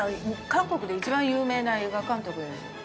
韓国で一番有名な映画監督です。